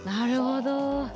なるほど。